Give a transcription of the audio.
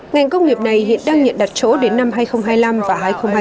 ngành công nghiệp này hiện đang nhận đặt chỗ đến năm hai nghìn hai mươi năm và hai nghìn hai mươi